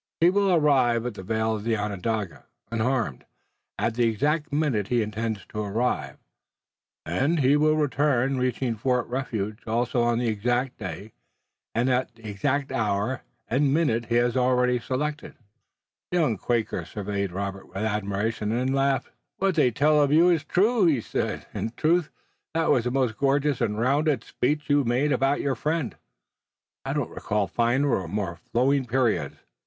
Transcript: He will arrive at the vale of Onondaga, unharmed, at the exact minute he intends to arrive, and he will return, reaching Fort Refuge also on the exact day, and at the exact hour and minute he has already selected." The young Quaker surveyed Robert with admiration and then laughed. "What they tell of you is true," he said. "In truth that was a most gorgeous and rounded speech you made about your friend. I don't recall finer and more flowing periods!